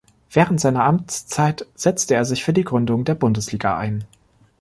Während seiner Amtszeit setzte er sich für die Gründung der Bundesliga ein.